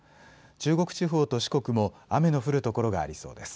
中国地方と四国も雨の降る所がありそうです。